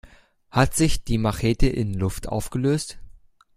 Hat sich die Machete in Luft aufgelöst?